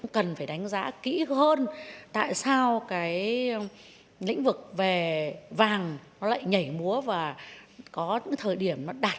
cần phải đánh giá kỹ hơn tại sao cái lĩnh vực về vàng nó lại nhảy múa và có những thời điểm nó đạt